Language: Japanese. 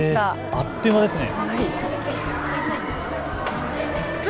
あっという間ですね。